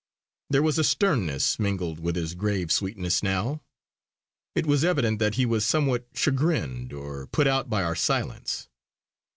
There was a sternness mingled with his grave sweetness now; it was evident that he was somewhat chagrined or put out by our silence.